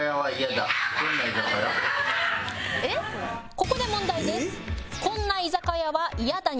「ここで問題です」